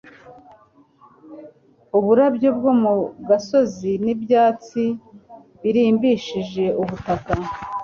Uburabyo bwo mu gasozi n'ibyatsi birimbishije ubutaka,